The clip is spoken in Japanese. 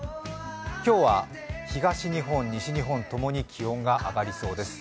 今日は東日本、西日本共に気温が上がりそうです。